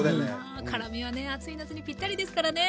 辛みはね暑い夏にぴったりですからね。